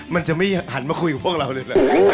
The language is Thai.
มันจะไม่หันมาคุยกับพวกเราเลยแหละ